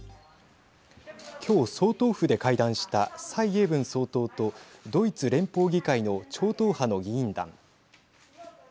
今日総統府で会談した蔡英文総統とドイツ連邦議会の超党派の議員団。